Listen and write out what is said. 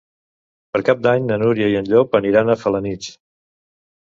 Per Cap d'Any na Núria i en Llop aniran a Felanitx.